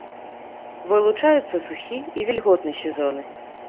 Вылучаюцца сухі і вільготны сезоны.